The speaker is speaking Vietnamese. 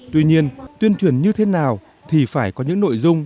tuy nhiên tuyên truyền như thế nào thì phải có những nội dung